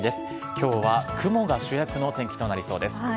きょうは雲が主役の天気となりそうです。